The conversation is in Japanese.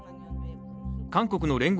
韓国の聯合